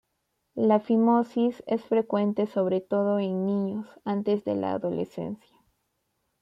La fimosis es frecuente, sobre todo en niños, antes de la adolescencia.